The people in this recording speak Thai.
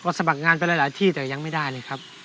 สมัครงานไปหลายที่แต่ยังไม่ได้เลยครับ